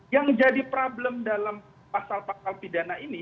yang jadi problem dalam pasal pasal pidana ini